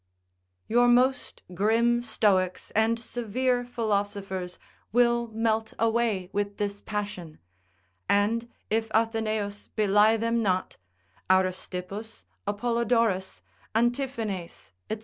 Your most grim stoics and severe philosophers will melt away with this passion, and if Atheneus belie them not, Aristippus, Apollodorus, Antiphanes, &c.